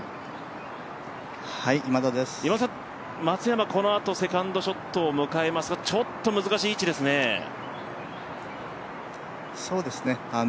松山、このあとセカンドショットを迎えますがちょっと難しい位置ですね。